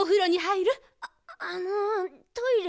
ああのトイレ。